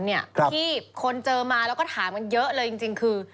ที่คนเจอมาแล้วก็ถามกันเยอะเลยจริงคือ